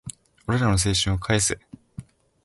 俺らの青春を返せ